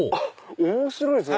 面白いですね。